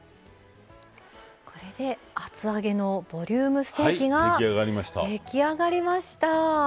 これで厚揚げのボリュームステーキが出来上がりました。